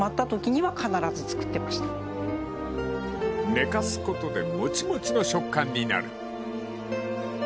［寝かすことでもちもちの食感になる］